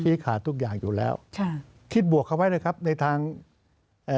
ขาดทุกอย่างอยู่แล้วค่ะคิดบวกเขาไว้เลยครับในทางเอ่อ